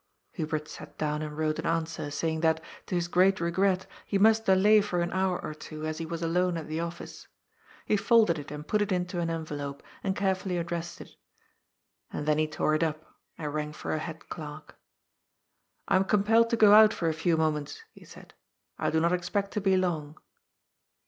394 GOD'S FOOL. Hubert sat down and wrote an answer, saying that, to his great regret, he must delay for an honr or two, as he was alone at the Office. He folded it and put it into an envelope, and carefully addressed it And then he tore it up and rang for a head clerk. " I am compelled to go out for a few moments," he said. " I do not expect to be long."